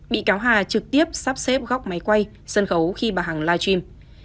bị cáo hà trực tiếp sắp xếp góc máy quay sân khấu khi bà hằng live stream